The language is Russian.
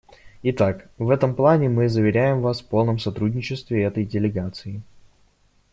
Итак, в этом плане мы заверяем Вас в полном сотрудничестве этой делегации.